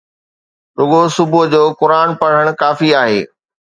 رڳو صبح جو قرآن پڙهڻ ڪافي آهي